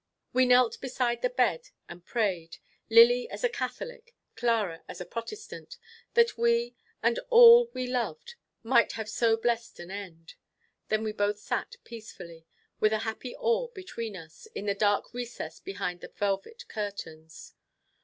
We knelt beside the bed and prayed Lily as a Catholic, Clara as a Protestant that we, and all we loved, might have so blest an end. Then we both sat peacefully, with a happy awe upon us, in the dark recess behind the velvet curtains.